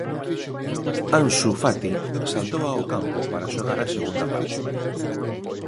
Ansu Fati saltou ao campo para xogar a segunda parte.